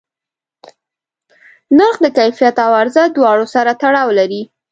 نرخ د کیفیت او عرضه دواړو سره تړاو لري.